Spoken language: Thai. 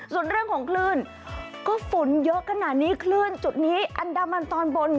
ส่วนเรื่องของคลื่นก็ฝนเยอะขนาดนี้คลื่นจุดนี้อันดามันตอนบน